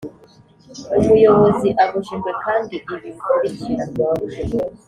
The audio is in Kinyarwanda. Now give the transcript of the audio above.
Umuyobozi abujijwe kandi ibi bikurikira